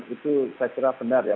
itu saya kira benar ya